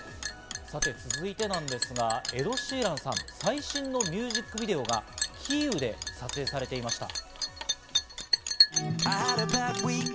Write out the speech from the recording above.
続いてですがエド・シーランさん、最新のミュージックビデオがキーウで撮影されていました。